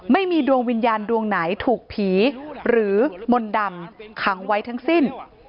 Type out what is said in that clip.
ไม่มีดวงวิญญาณดวงไหนถูกผีหรือมนต์ดำขังไว้ทั้งสิ้น